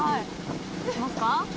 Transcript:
いきますか？